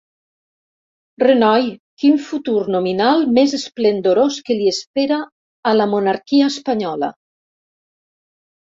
Renoi, quin futur nominal més esplendorós que li espera a la monarquia espanyola!